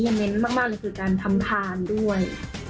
เน้นมากเลยคือการทำทานด้วย